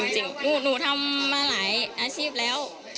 หนูทำมาหลายอาชีพแล้ว